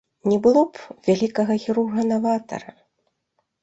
Не было б вялікага хірурга-наватара!